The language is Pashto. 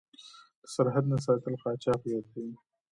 د سرحد نه ساتل قاچاق زیاتوي.